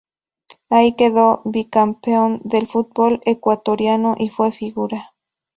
Ahí quedó bicampeón del fútbol ecuatoriano y fue figura.